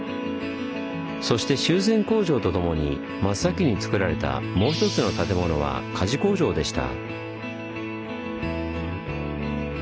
そして修繕工場とともに真っ先につくられたもう一つの建物は鍛冶工場でした。